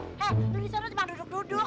eh lu di sana cuma duduk duduk